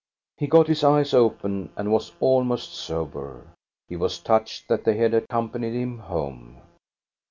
He got his eyes open and was almost sober. He was touched that they had accompanied him home.